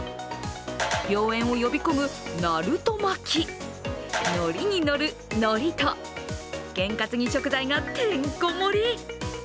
良縁を呼び込むナルト巻きノリに乗るのりと験担ぎ食材がてんこ盛り。